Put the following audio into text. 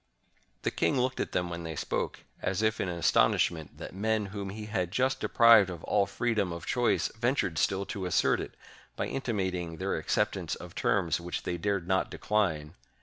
The king looked at them when they spoke, as if in astonishment that men whom he had just deprived of all freedom of choice ventured still to assert it, by inti mating their acceptance of terms which they dared not decline.